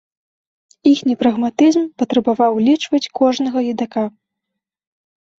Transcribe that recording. Іхні прагматызм патрабаваў улічваць кожнага едака.